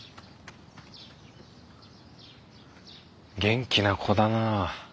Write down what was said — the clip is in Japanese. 元気な子だなあ。